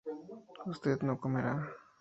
usted no comerá